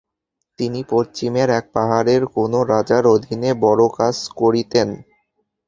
তিনি পশ্চিমের এক পাহাড়ের কোনো রাজার অধীনে বড়ো কাজ করিতেন।